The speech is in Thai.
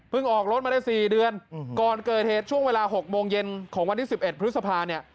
พึ่งออกรถมาได้สี่เดือนก่อนเกิดเทสช่วงเวลาหกโมงเย็นของวันที่สิบเอ็ดพฤษภาเนี่ย